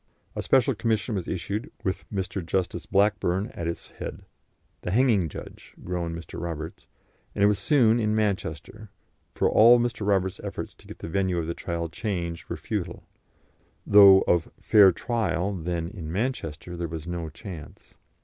A Special Commission was issued, with Mr. Justice Blackburn at its head "the hanging judge," groaned Mr. Roberts and it was soon in Manchester, for all Mr. Roberts's efforts to get the venue of the trial changed were futile, though of fair trial then in Manchester there was no chance.